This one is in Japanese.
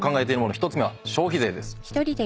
１つ目は消費税です。